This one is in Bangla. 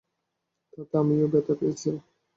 তাতে আমিও ব্যথা পেয়েছি।